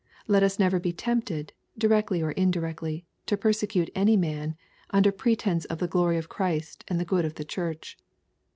Let us never be tempted, directly or indirectly, to persecute any man, under pre tence of the glory of Christ and the good of the Church.